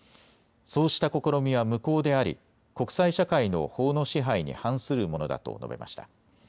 そうした試みは無効であり国際社会の法の支配に反するものだと述べました。